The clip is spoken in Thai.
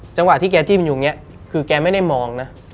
จังหวะที่แกจิ้มอยู่อย่างนี้คือแกไม่ได้มองนะ